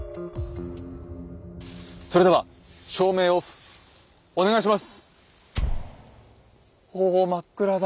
それでは照明オフお願いします。